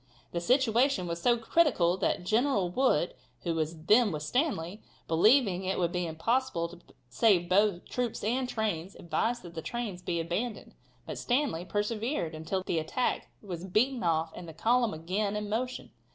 The situation was so critical that General Wood, who was then with Stanley, believing it would be impossible to save both troops and trains, advised that the trains be abandoned. But Stanley persevered until the attack was beaten off and the column again in motion.